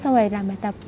xong rồi làm bài tập